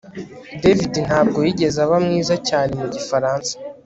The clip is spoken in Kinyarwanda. David ntabwo yigeze aba mwiza cyane mu gifaransa